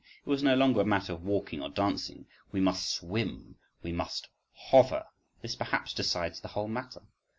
It was no longer a matter of walking or dancing,—we must swim, we must hover.… This perhaps decides the whole matter.